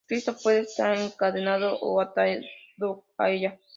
Cristo puede estar encadenado o atado a ella.